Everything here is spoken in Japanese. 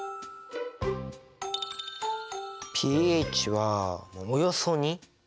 ｐＨはおよそ２。